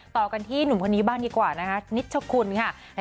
ต่อกันที่หนุ่มคนนี้บ้างดีกว่านะคะนิชคุณค่ะ